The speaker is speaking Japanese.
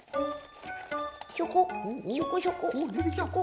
ひょこひょこひょこ。